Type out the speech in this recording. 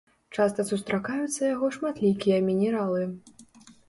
Часта сустракаюцца яго шматлікія мінералы.